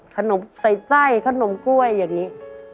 ใส่ไส้ขนมกล้วยอย่างนี้